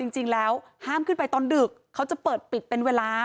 จริงแล้วห้ามขึ้นไปตอนดึกเขาจะเปิดปิดเป็นเวลา